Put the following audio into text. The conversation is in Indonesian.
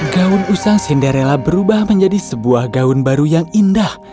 gaun usang cinderella berubah menjadi sebuah gaun baru yang indah